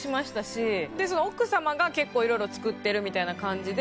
奥様が結構いろいろ作ってるみたいな感じで。